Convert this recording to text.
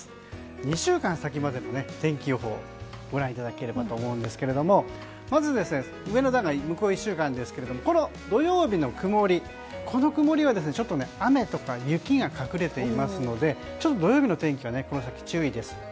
２週間先までの天気予報をご覧いただければと思うんですがまず上の段が向こう１週間ですが土曜日の曇りは雨とか雪が隠れていますので土曜日の天気はこの先注意です。